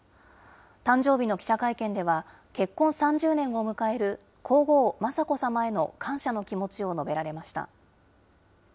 誕生日の記者会見では、結婚３０年を迎える皇后、雅子さまへの感謝の気持ちを述べられました。